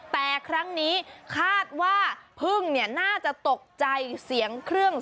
แต่ครั้งนี้คาดว่าพึ่งเนี่ยน่าจะตกใจเสียงเครื่อง